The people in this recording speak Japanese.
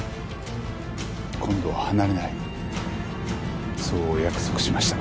今度は離れないそうお約束しました。